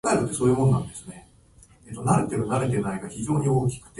そのプロジェクト、本当にうまくいくと思ってるの？